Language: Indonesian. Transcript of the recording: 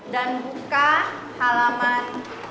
dan buka halaman lima puluh dua